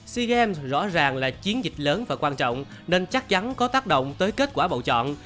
sea games rõ ràng là chiến dịch lớn và quan trọng nên chắc chắn có tác động tới kết quả bầu chọn